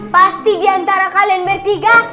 pasti diantara kalian bertiga